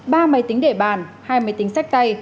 ba máy tính để bàn hai máy tính sách tay